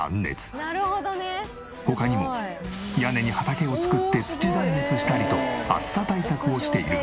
他にも屋根に畑を作って土断熱したりと暑さ対策をしている。